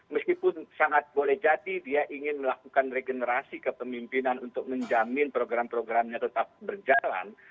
meskipun sangat boleh jadi dia ingin melakukan regenerasi kepemimpinan untuk menjamin program programnya tetap berjalan